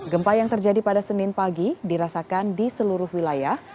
gempa yang terjadi pada senin pagi dirasakan di seluruh wilayah